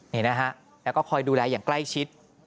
นี่นะฮะแล้วก็คอยดูแลอย่างใกล้ชิด